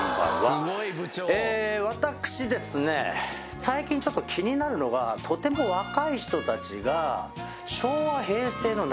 え私ですね最近ちょっと気になるのがとても若い人たちが。